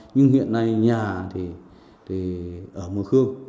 nhưng hiện nay nhà thì ở mường khương